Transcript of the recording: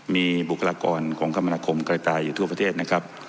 มีบุคลากรของคมนาคมกระจายอยู่ทั่วประเทศนะครับ